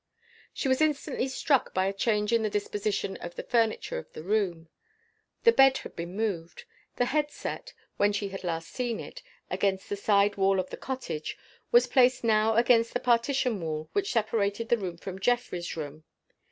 She was instantly struck by a change in the disposition of the furniture of the room. The bed had been moved. The head set, when she had last seen it, against the side wall of the cottage was placed now against the partition wall which separated the room from Geoffrey's room.